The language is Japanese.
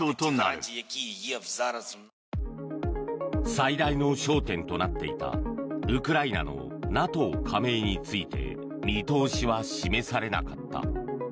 最大の焦点となっていたウクライナのＮＡＴＯ加盟について見通しは示されなかった。